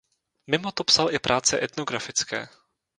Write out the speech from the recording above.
Mimo to psal i práce etnografické.